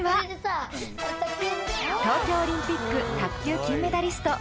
東京オリンピック卓球金メダリスト